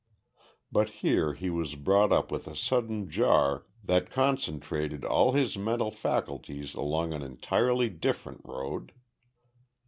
But here he was brought up with a sudden jar that concentrated all his mental faculties along an entirely different road.